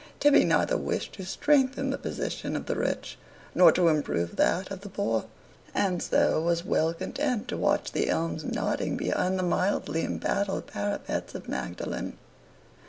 Tibby neither wished to strengthen the position of the rich nor to improve that of the poor, and so was well content to watch the elms nodding behind the mildly embattled parapets of Magdalen.